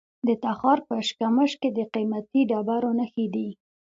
د تخار په اشکمش کې د قیمتي ډبرو نښې دي.